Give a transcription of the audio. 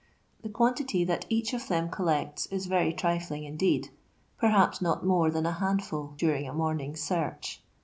The quantity that each of them collects is very trifling indeed perhaps not more than a handful during a morning's search.